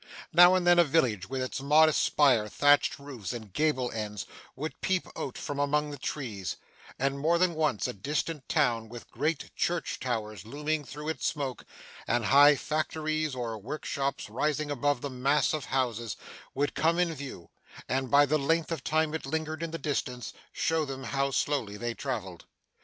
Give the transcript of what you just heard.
Now and then, a village with its modest spire, thatched roofs, and gable ends, would peep out from among the trees; and, more than once, a distant town, with great church towers looming through its smoke, and high factories or workshops rising above the mass of houses, would come in view, and, by the length of time it lingered in the distance, show them how slowly they travelled.